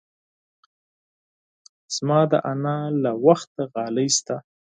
زما د انا له وخته غالۍ شته.